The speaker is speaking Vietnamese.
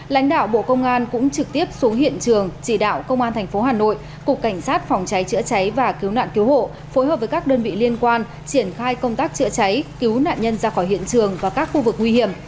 lãnh đạo bộ công an cũng trực tiếp xuống hiện trường chỉ đạo công an tp hà nội cục cảnh sát phòng cháy chữa cháy và cứu nạn cứu hộ phối hợp với các đơn vị liên quan triển khai công tác chữa cháy cứu nạn nhân ra khỏi hiện trường và các khu vực nguy hiểm